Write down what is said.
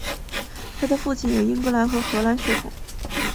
她的父亲有英格兰和荷兰血统。